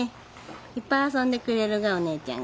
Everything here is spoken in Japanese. いっぱい遊んでくれるがおねえちゃんが。